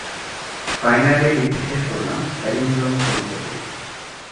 Finally লিখে শেষ করলাম প্যালিন্ড্রোম কবিতাটি।